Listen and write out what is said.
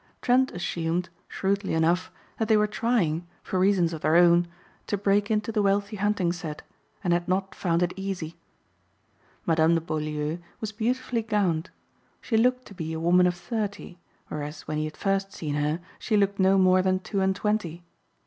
Trent assumed, shrewdly enough, that they were trying, for reasons of their own, to break into the wealthy hunting set and had not found it easy. Madame de Beaulieu was beautifully gowned. She looked to be a woman of thirty, whereas when he had first seen her she looked no more than two and twenty.